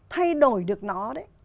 thay đổi được nó đấy